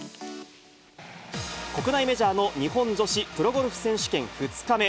国内メジャーの日本女子プロゴルフ選手権２日目。